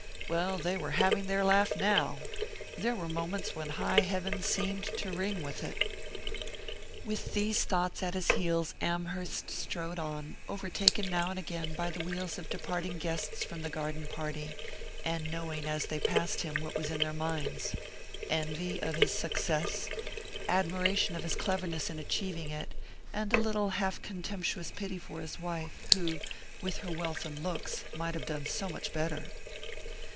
Well, they were having their laugh out now there were moments when high heaven seemed to ring with it.... With these thoughts at his heels Amherst strode on, overtaken now and again by the wheels of departing guests from the garden party, and knowing, as they passed him, what was in their minds envy of his success, admiration of his cleverness in achieving it, and a little half contemptuous pity for his wife, who, with her wealth and looks, might have done so much better.